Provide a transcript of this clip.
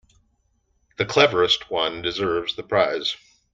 The cleverest one deserves the prize.